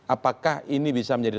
apakah ini bisa menjadi